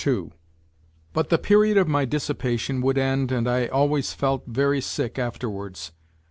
n But the period of my dissipation would end and I always ft h very sick afterwards.